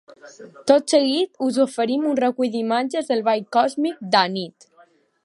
Tot seguit us oferim un recull d’imatges del ball còsmic d’anit.